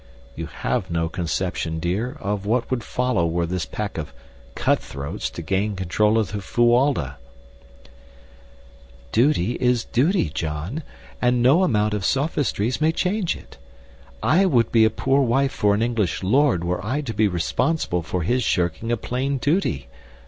You have no conception, dear, of what would follow were this pack of cutthroats to gain control of the Fuwalda." "Duty is duty, John, and no amount of sophistries may change it. I would be a poor wife for an English lord were I to be responsible for his shirking a plain duty.